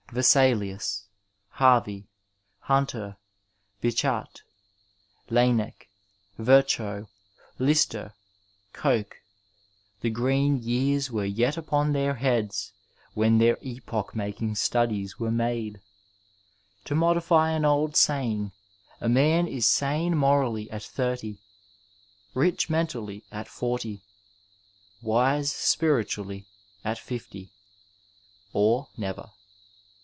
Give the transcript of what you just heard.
Vesalius, Harvey, Hunter, Bichat, Laennec, Virchow, Lister, Eoch — the green years were yet upon their heads when their epoch making studies were made. To modify an old saying, a man is sane morally at thirty, rich mentally at forty, wise spiritually at fifty — or never.